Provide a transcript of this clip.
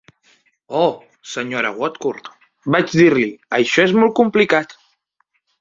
""Oh, senyora Woodcourt", vaig dir-li, "això és molt complicat"".